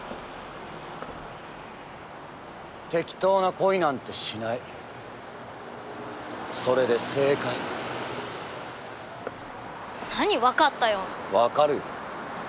適当な恋なんてしないそれで正解何分かったような分かるよ